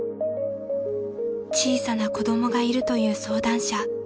［小さな子供がいるという相談者］